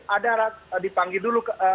ada dipanggil dulu